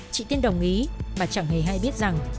chị tiên đồng ý mà chẳng hề hay biết rằng